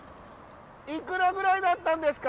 いくらぐらいだったんですか？